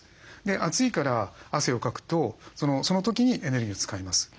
暑いから汗をかくとその時にエネルギーを使います。